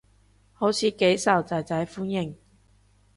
好似幾受囝仔歡迎